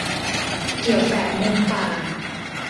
เกี่ยวแฝกมุงป่า